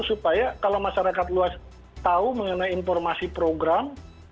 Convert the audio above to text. supaya kalau masyarakat luas tahu mengenai informasi program